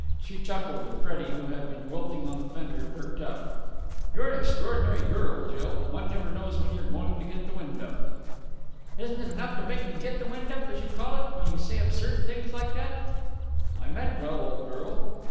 She chuckled, and Freddie, who had been wilting on the fender, perked up. "You're an extraordinary girl, Jill. One never knows when you're going to get the wind up." "Isn't it enough to make me get the wind up, as you call it, when you say absurd things like that?" "I meant well, old girl!"